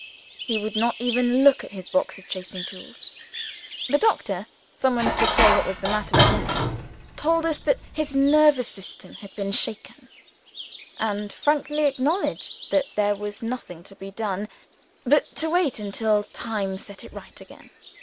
He would not even look at his box of chasing tools. The doctor summoned to say what was the matter with him told us that his nervous system had been shaken, and frankly acknowledged that there was nothing to be done but to wait until time set it right again.